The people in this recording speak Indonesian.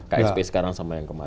ksp sekarang sama yang kemarin